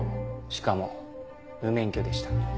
しかも無免許でした。